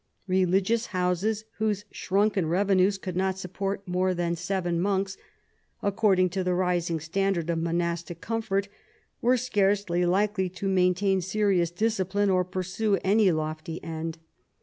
Religious houses whose shrunken revenues could not support more than seven monks, according to the rising standard of monastic comfort, were scarcely likely to maintain serious discip line or pursue any lofty end.